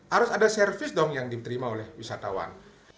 harus ada servis dong yang diterima oleh wisatawan